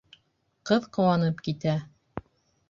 Ҡыҙ ҡыуанып китә.